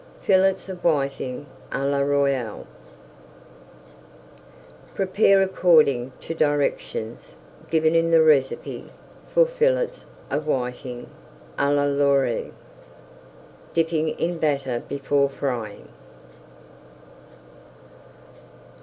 FILLETS OF WHITING À LA ROYALE Prepare according to directions given in the recipe for Fillets of Whiting à l'Orly, dipping in batter before frying.